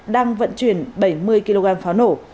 đang vận chuyển bảy mươi kg pháo nổ